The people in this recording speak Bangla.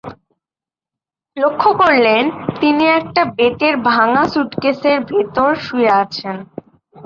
লক্ষ করলেন, তিনি একটা বেতের ভাঙা সুটকেসের ভেতর শুয়ে আছেন।